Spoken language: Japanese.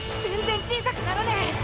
全然小さくならねえ！